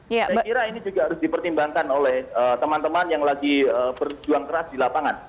saya kira ini juga harus dipertimbangkan oleh teman teman yang lagi berjuang keras di lapangan